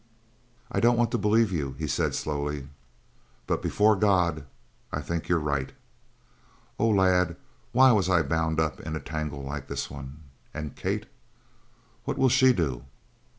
"I don't want to believe you," he said slowly, "but before God I think you're right. Oh, lad, why was I bound up in a tangle like this one? And Kate what will she do?"